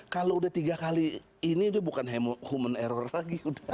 kalau udah tiga kali ini bukan human error lagi